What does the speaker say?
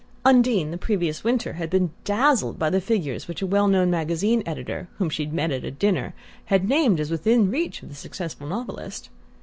Undine, the previous winter, had been dazzled by the figures which a well known magazine editor, whom she had met at dinner had named as within reach of the successful novelist.